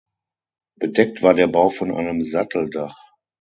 Bedeckt war der Bau von einem Satteldach.